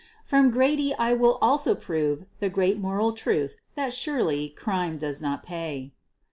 From Grady I will also prove the great moral truth that surely crime does not pay